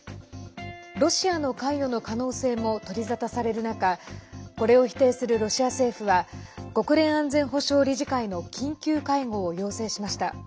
ロシアの関与の可能性も取り沙汰される中これを否定するロシア政府は国連安全保障理事会の緊急会合を要請しました。